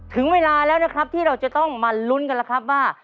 ถึงเวลาแล้วนะครับที่เราจะต้องมาลุ้นกันแล้วครับว่า